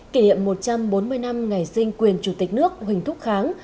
kỷ niệm một trăm bốn mươi năm ngày sinh quyền chủ tịch nước huỳnh thúc kháng